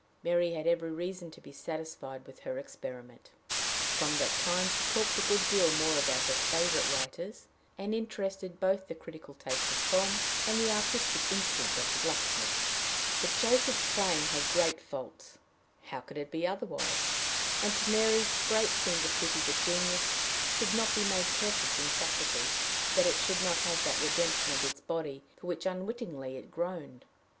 Mary had every reason to be satisfied with her experiment. From that time she talked a good deal more about her favorite writers, and interested both the critical taste of Tom and the artistic instinct of the blacksmith. But Joseph's playing had great faults: how could it be otherwise? and to Mary great seemed the pity that genius should not be made perfect in faculty, that it should not have that redemption of its body for which unwittingly it groaned.